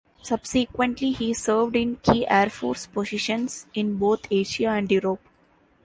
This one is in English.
Subsequently, he served in key Air Force positions in both Asia and Europe.